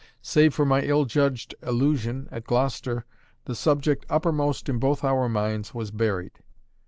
Save for my ill judged allusion at Gloucester, the subject uppermost in both our minds was buried.